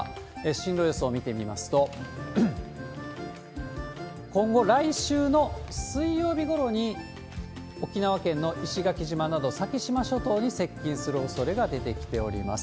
進路予想見てみますと、今後、来週の水曜日ごろに沖縄県の石垣島など、先島諸島に接近するおそれが出てきております。